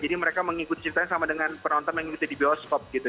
jadi mereka mengikuti ceritanya sama dengan penonton mengikuti di bioskop gitu